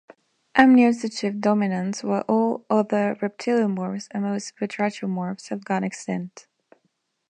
Amniotes achieved dominance, while all other reptiliomorphs and most batrachomorphs have gone extinct.